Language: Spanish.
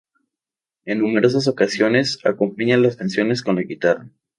En numerosas ocasiones, acompaña las canciones con la guitarra.